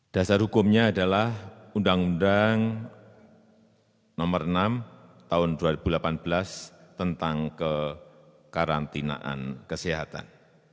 dasar hukumnya adalah undang undang nomor enam tahun dua ribu delapan belas tentang kekarantinaan kesehatan